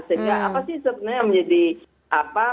sehingga apa sih sebenarnya yang menjadi apa